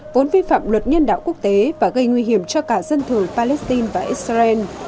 vốn vi phạm luật nhân đạo quốc tế và gây nguy hiểm cho cả dân thường palestine và israel